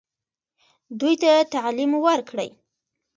دوی ته تعلیم ورکړئ